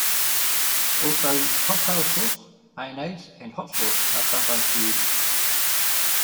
Also, Cocktail sauce, mayonnaise and hot sauce are sometimes used.